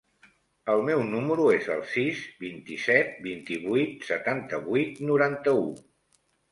El meu número es el sis, vint-i-set, vint-i-vuit, setanta-vuit, noranta-u.